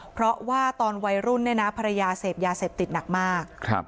เพราะว่าตอนวัยรุ่นเนี่ยนะภรรยาเสพยาเสพติดหนักมาก